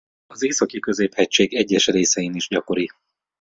Az Északi-középhegység egyes részein is gyakori.